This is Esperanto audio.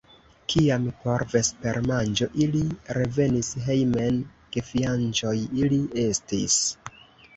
Kiam por vespermanĝo ili revenis hejmen, gefianĉoj ili estis.